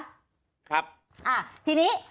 คุณผู้ชมค่ะเวลาน้อยนะคะ